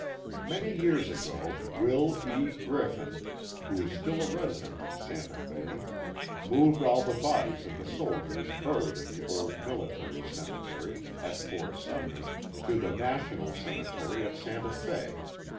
Many years ago, Will E. Griffin, who is still a resident of Santa Fe, moved all the bodies of the soldiers buried in the old military cemetery, at Fort Sumner, to the National Cemetery at Santa Fe.